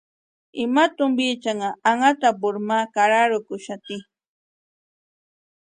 Ima tumpiecha anhatapuni ma karharakuxati.